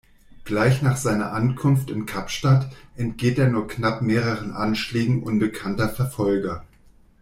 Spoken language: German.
Gleich nach seiner Ankunft in Kapstadt entgeht er nur knapp mehreren Anschlägen unbekannter Verfolger.